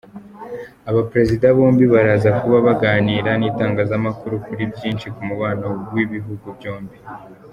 Abaperezida bombi baraza kuba baganira n’itangazamakuru kuri byinshi ku mubano w’ibihugu byombi.